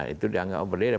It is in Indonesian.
itu dianggap berbeda